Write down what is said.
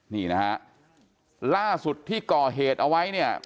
นี่นะฮะล่าสุดที่ก่อเหตุเอาไว้เนี่ย